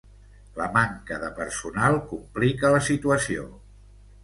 La manca de personal complica la situació.